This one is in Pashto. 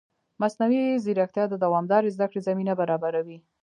مصنوعي ځیرکتیا د دوامدارې زده کړې زمینه برابروي.